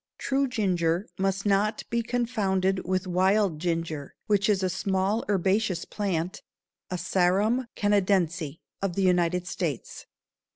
True ginger must not be confounded with "wild ginger," which is a small herbaceous plant (Asarum canadense) of the United States.